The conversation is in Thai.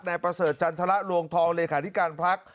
ในประเสริฐจันทรละลวงทองเลยคาธิการพรรค